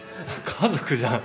家族じゃん。